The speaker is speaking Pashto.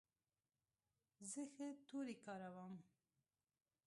زه ښه توري کاروم.